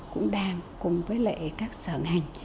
cũng đang cùng với lại các sở ngành